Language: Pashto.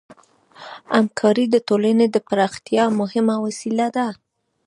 همکاري د ټولنې د پراختیا مهمه وسیله ده.